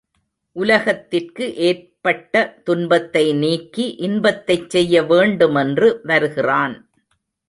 உலகத்திற்கு ஏற்பட்ட துன்பத்தை நீக்கி இன்பத்தைச் செய்ய வேண்டுமென்று வருகிறான்.